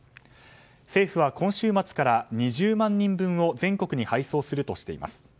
政府は今週末から２０万人分を全国に配送するとしています。